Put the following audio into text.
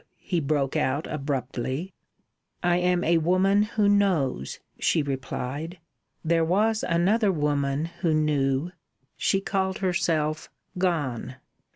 he broke out abruptly. "I am a Woman Who Knows," she replied. "There was another Woman Who Knew. She called herself Gone.